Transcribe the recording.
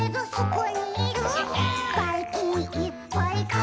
「ばいきんいっぱいかくれてる！」